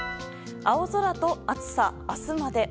青空と暑さ、明日まで。